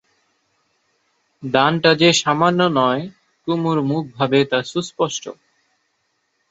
দানটা যে সামান্য নয় কুমুর মুখভাবে তা সুস্পষ্ট।